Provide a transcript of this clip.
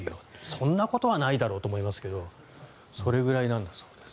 そんなことはないだろうと思いますがそれぐらいなんだそうです。